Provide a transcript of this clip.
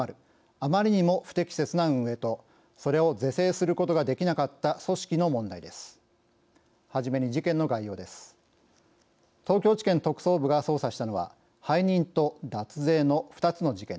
あまりにも不適切な運営とそれを是正することができなかった組織の問題です。